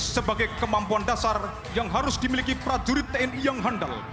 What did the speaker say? sebagai kemampuan dasar yang harus dimiliki prajurit tni yang handal